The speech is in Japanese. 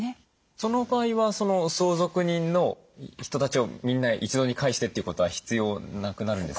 その場合は相続人の人たちをみんな一堂に会してっていうことは必要なくなるんですか？